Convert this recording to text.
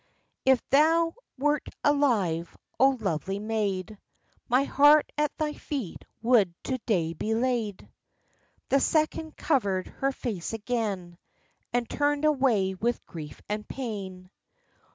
"If thou wert alive, O, lovely maid, My heart at thy feet would to day be laid!" The second covered her face again, And turned away with grief and pain.